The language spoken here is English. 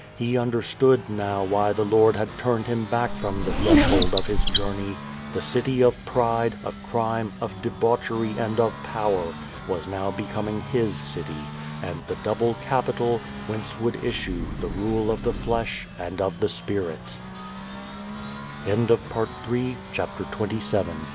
He understood now why the Lord had tumed him back from the threshold of his journey. The city of pride, of crime, of debauchery, and of power, was noir becoming His City, and the double capital, whence would is sue the rule of the flesh and of the